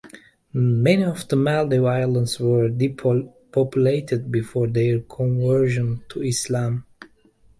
Many of the Maldive Islands were depopulated before their conversion to Islam.